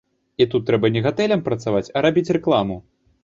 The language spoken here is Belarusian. І тут трэба не гатэлям працаваць, а рабіць рэкламу.